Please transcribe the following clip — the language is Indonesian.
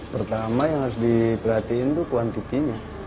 pertama yang harus diperhatiin itu kuantitinya